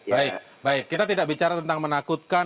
baik baik kita tidak bicara tentang menakutkan